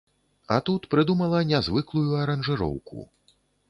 А тут прыдумала нязвыклую аранжыроўку.